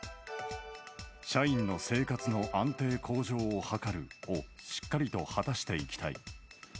社員の生活の安定向上を図るをしっかりと果たしていきたい。